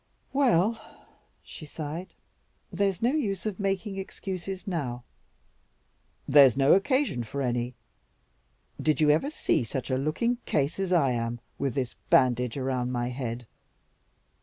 "Well," she sighed, "there's no use of making excuses now." "There's no occasion for any. Did you ever see such a looking case as I am with this bandage around my head?"